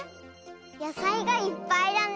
やさいがいっぱいだね！